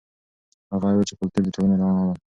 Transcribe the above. هغه وویل چې کلتور د ټولنې رڼا ده.